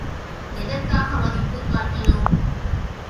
எதற்காக மதித்துக் காட்டினோம்?